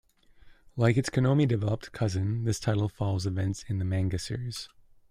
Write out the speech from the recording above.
Like its Konami developed cousin, this title follows events in the Manga series.